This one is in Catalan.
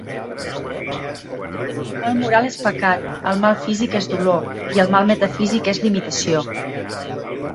El mal moral és pecat, el mal físic és dolor, i el mal metafísic és limitació.